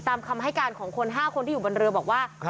คำให้การของคน๕คนที่อยู่บนเรือบอกว่า